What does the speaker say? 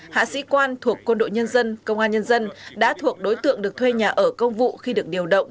hạ sĩ quan thuộc quân đội nhân dân công an nhân dân đã thuộc đối tượng được thuê nhà ở công vụ khi được điều động